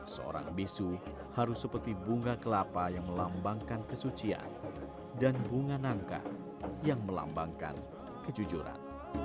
seorang bisu harus seperti bunga kelapa yang melambangkan kesucian dan bunga nangka yang melambangkan kejujuran